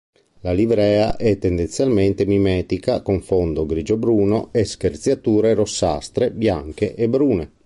La livrea è tendenzialmente mimetica con fondo grigio-bruno e screziature rossastre, bianche e brune.